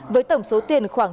với tổng số tiền khoảng